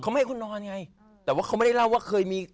ไม่ให้คุณนอนไงแต่ว่าเขาไม่ได้เล่าว่าเคยมี